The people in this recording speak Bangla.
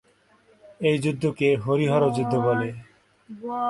এই যুদ্ধকে "হরি-হর যুদ্ধ" বলে।